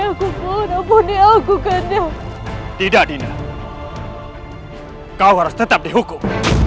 aku pun ampuni aku kanda tidak dina kau harus tetap dihukum